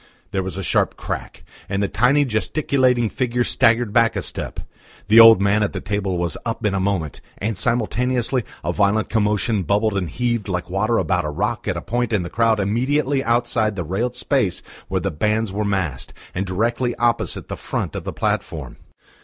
There was a sharp crack, and the tiny gesticulating figure staggered back a step. The old man at the table was up in a moment, and simultaneously a violent commotion bubbled and heaved like water about a rock at a point in the crowd immediately outside the railed space where the bands were massed, and directly opposite the front of the platform.